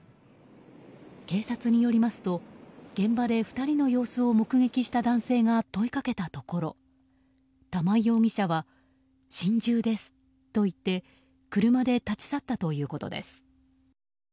警察によりますと現場で２人の様子を目撃した男性が問いかけたところ玉井容疑者は心中ですと言って車で立ち去ったということです。